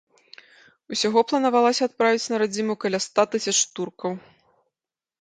Усяго планавалася адправіць на радзіму каля ста тысяч туркаў.